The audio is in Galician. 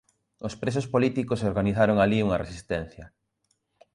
Os presos políticos organizaron alí unha resistencia.